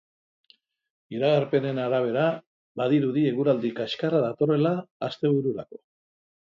Iragarpenen arabera, badirudi eguraldi kaskarra datorrela astebururako.